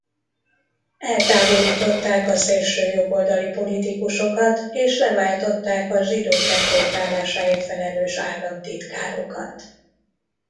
Eltávolították a szélsőjobboldali politikusokat és leváltották a zsidók deportálásáért felelős államtitkárokat.